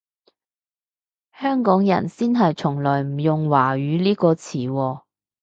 香港人先係從來唔用華語呢個詞喎